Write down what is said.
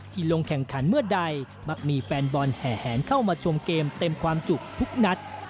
ลงแข่งขันเมื่อใดมักมีแฟนบอลแห่แหนเข้ามาชมเกมเต็มความจุทุกนัด